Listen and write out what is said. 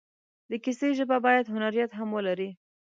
د کیسې ژبه باید هنریت هم ولري.